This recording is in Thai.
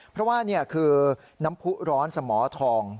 เพราะว่านี่คือน้ำผู้ร้อนสมทอง